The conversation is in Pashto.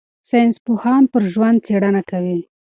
ساینسپوهان پر ژوند څېړنه کوي.